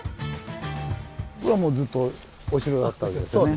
ここはずっとお城だったわけですよね。